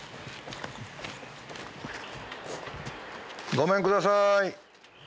ごめんください。